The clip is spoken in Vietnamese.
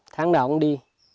tháng nào cũng đi